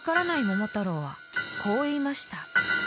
桃太郎はこう言いました］